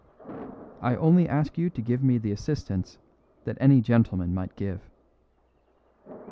"I only ask you to give me the assistance that any gentleman might give."